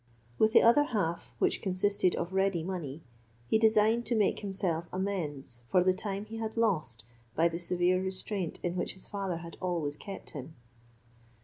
With the other half, which consisted of ready money, he designed to make himself amends for the time he had lost by the severe restraint in which his father had always kept him.